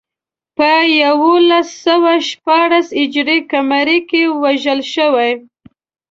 په یولس سوه شپاړس هجري قمري کې وژل شوی.